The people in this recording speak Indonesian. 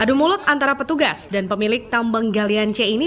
adu mulut antara petugas dan pemilik tambang galian c ini